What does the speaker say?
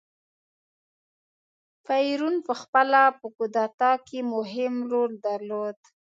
پېرون په خپله په کودتا کې مهم رول درلود.